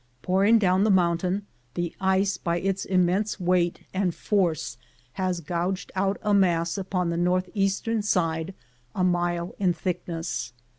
Pouring down from the mountain, the ice by its immense weight and force has gouged out a mass upon the northeastern side a mile in thickness.